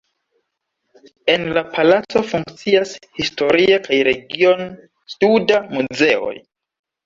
En la palaco funkcias historia kaj region-studa muzeoj.